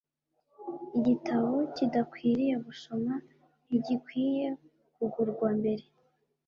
igitabo kidakwiriye gusoma ntigikwiye kugurwa mbere